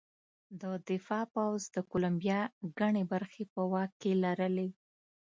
د دفاع پوځ د کولمبیا ګڼې برخې په واک کې لرلې.